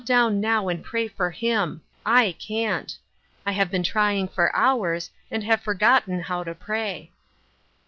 down DOW and pray for him — I can't. I have been trying for hours, and have forgotten how to pray."